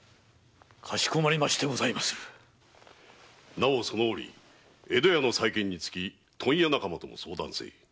なおその折江戸屋の再建につき問屋仲間とも相談せい。